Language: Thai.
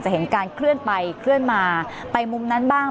เห็นการเคลื่อนไปเคลื่อนมาไปมุมนั้นบ้าง